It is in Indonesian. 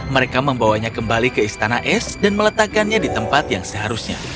mereka membawanya kembali ke istana es dan meletakkannya di tempat yang seharusnya